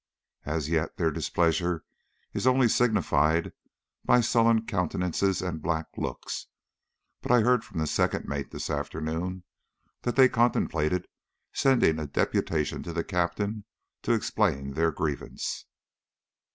As yet their displeasure is only signified by sullen countenances and black looks, but I heard from the second mate this afternoon that they contemplated sending a deputation to the Captain to explain their grievance.